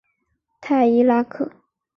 泰伊拉克。